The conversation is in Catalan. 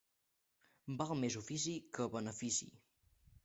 Val més ofici que benefici.